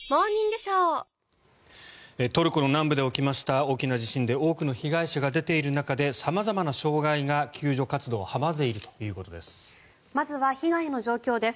トルコの南部で起きました大きな地震で多くの被害者が出ている中で様々な障害が救助活動を阻んでいるということです。